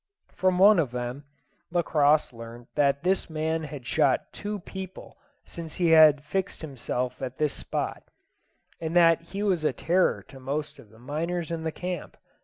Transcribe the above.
From one of them Lacosse learnt that this man had shot two people since he had fixed himself at this spot, and that he was a terror to most of the miners in the camp.